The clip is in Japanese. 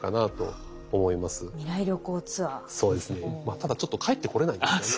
ただちょっと帰ってこれないですよね。